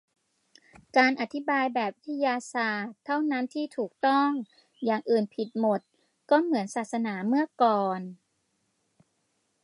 'การอธิบายแบบวิทยาศาสตร์เท่านั้นที่ถูกต้อง' อย่างอื่นผิดหมด ก็เหมือนศาสนาเมื่อก่อน